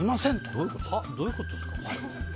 どういうことですか？